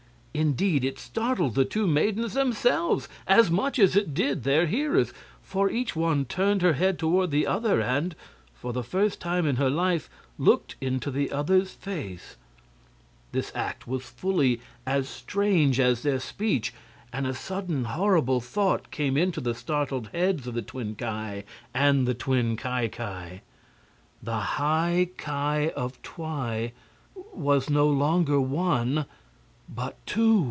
Indeed, it startled the two maidens themselves as much as it did their hearers, for each one turned her head toward the other and, for the first time in her life, looked into the other's face! This act was fully as strange as their speech, and a sudden horrible thought came into the startled heads of the twin Ki and the twin Ki Ki: THE HIGH KI OF TWI WAS NO LONGER ONE, BUT TWO.